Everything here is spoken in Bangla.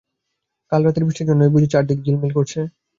কাল রাতের বৃষ্টির জন্যেই বুঝি চারদিক ঝিলমিল করছে।